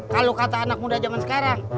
kalau kata anak muda zaman sekarang